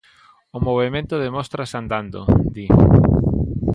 O movemento demóstrase andando, di.